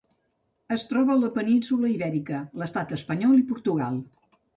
Es troba a la península Ibèrica: l'Estat espanyol i Portugal.